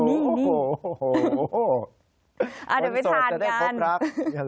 คนสดจะได้พบรัก